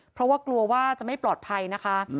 เพราะว่ากลัวว่าจะไม่ปลอดภัยนะคะ